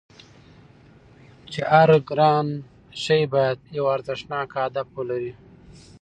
چې هر ګران شی باید یو ارزښتناک هدف ولري